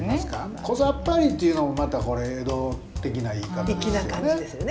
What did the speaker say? こざっぱりっていうのもまたこれ江戸的な言い方ですよね。